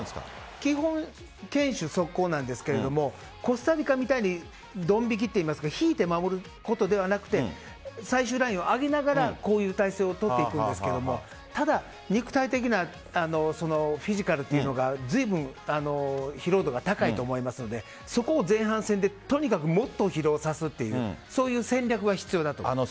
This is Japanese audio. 基本、堅守速攻なんですがコスタリカみたいにドン引きというか引いて守ることではなく最終ラインを上げながらこういう体勢を取っていくんですがただ、肉体的なフィジカルというのがずいぶん疲労度が高いと思いますのでそこを前半戦でとにかくもっと疲労させるという戦略が必要だと思います。